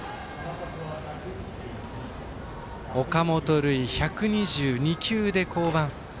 岡本琉奨、１２２球で降板。